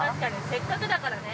せっかくだからね。